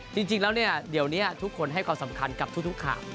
จริงแล้วเนี่ยเดี๋ยวนี้ทุกคนให้ความสำคัญกับทุกข่าว